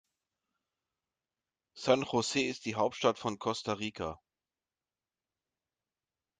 San José ist die Hauptstadt von Costa Rica.